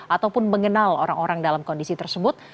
ataupun mengenal orang orang dalam kondisi tersebut